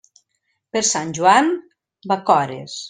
Per sant Joan, bacores.